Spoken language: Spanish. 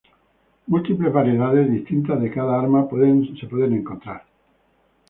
Múltiples variedades distintas de cada arma pueden ser encontradas.